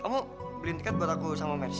kamu beli tiket buat aku sama mercy